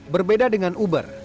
berbeda dengan uber